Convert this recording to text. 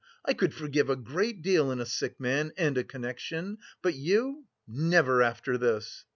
I could forgive a great deal in a sick man and a connection, but you... never after this..."